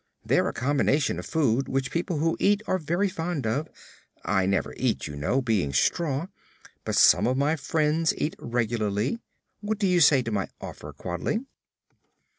"They're a combination of food which people who eat are very fond of. I never eat, you know, being straw; but some of my friends eat regularly. What do you say to my offer, Quadling?"